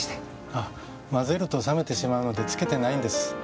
ああ、混ぜると冷めてしまうのでつけてないんです。